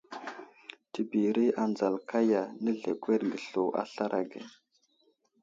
Təbiri anzal kaya, nəzlekwerge slu a aslar age.